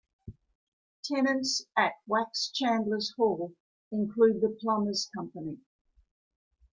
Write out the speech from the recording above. Tenants at Wax Chandlers' Hall include the Plumbers' Company.